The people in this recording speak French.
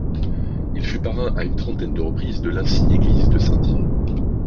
Il fut parrain à une trentaine de reprises en l’insigne église de Saint-Dié.